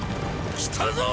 来たぞォ！